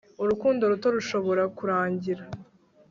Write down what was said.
Urukundo ruto rushobora kurangira